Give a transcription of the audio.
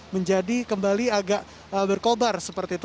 menjadi kembali agak berkobar seperti itu